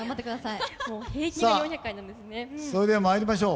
それでは、参りましょう。